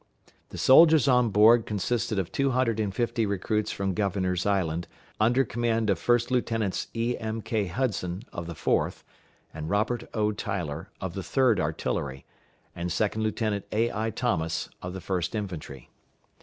The soldiers on board consisted of two hundred and fifty recruits from Governor's Island, under command of First Lieutenants E.M.K. Hudson, of the Fourth, and Robert O. Tyler, of the Third Artillery, and Second Lieutenant A.I. Thomas, of the First Infantry.